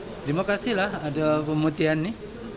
ya terima kasih lah ada pemutian ini